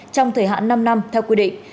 trong thời hạn năm năm theo quy định